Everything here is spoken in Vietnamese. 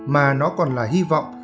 mà nó còn là hy vọng